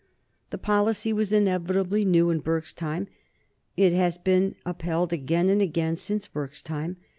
The policy was inevitably new in Burke's time; it has been upheld again and again since Burke's time.